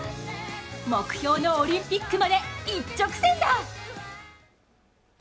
目標のオリンピックまで一直線だ！